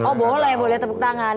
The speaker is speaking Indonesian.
oh boleh boleh tepuk tangan